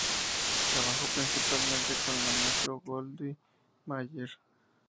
Trabajó principalmente con la Metro Goldwyn Mayer.